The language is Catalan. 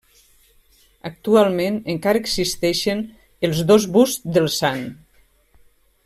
Actualment encara existeixen els dos busts del sant.